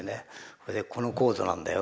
それでこのコードなんだよ。